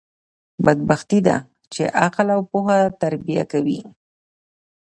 بدبختي ده، چي عقل او پوهه تربیه کوي.